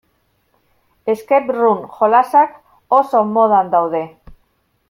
Escape-room jolasak oso modan daude.